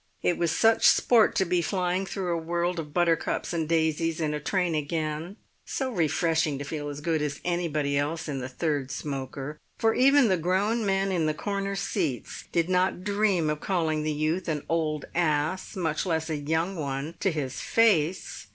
It was such sport to be flying through a world of buttercups and daisies in a train again, so refreshing to feel as good as anybody else in the third smoker; for even the grown men in the corner seats did not dream of calling the youth an "old ass," much less a young one, to his face.